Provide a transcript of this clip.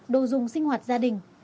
đồ dùng sinh hoạt gia đình